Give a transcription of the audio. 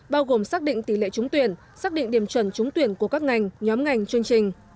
bao gồm xác định tỷ lệ trúng tuyển xác định điểm chuẩn trúng tuyển của các ngành nhóm ngành chương trình